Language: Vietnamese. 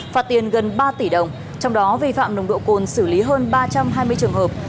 phạt tiền gần ba tỷ đồng trong đó vi phạm nồng độ cồn xử lý hơn ba trăm hai mươi trường hợp